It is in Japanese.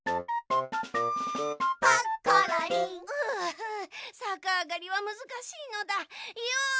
ふうさかあがりはむずかしいのだ。よ！